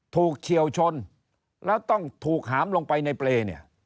เฉียวชนแล้วต้องถูกหามลงไปในเปรย์เนี่ย